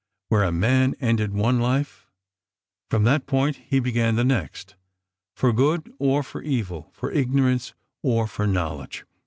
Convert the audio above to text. Where a man ended one life, from that point he began the next: for good or for evil, for ignorance or for knowledge.